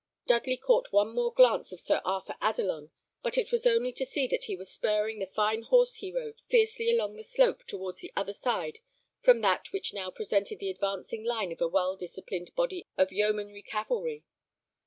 Dudley caught one more glance of Sir Arthur Adelon, but it was only to see that he was spurring the fine horse he rode fiercely along the slope towards the other side from that which now presented the advancing line of a well disciplined body of yeomanry cavalry.